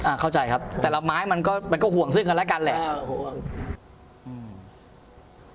อ่าเข้าใจครับแต่ละไม้มันก็ห่วงซึ่งกันแล้วกันเลย